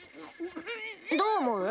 どう思う？